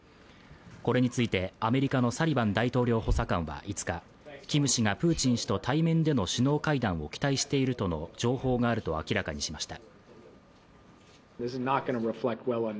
これについてアメリカのサリバン大統領補佐官は５日、キム氏がプーチン氏と対面での首脳会談を期待しているとの情報があると明らかにしました。